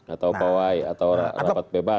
atau pawai atau rapat bebas